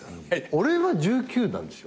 俺は１９なんですよ。